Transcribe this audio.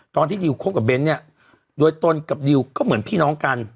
ตอนที่ดิวคบกับเบ้นเนี่ยโดยตนกับดิวก็เหมือนพี่น้องกัน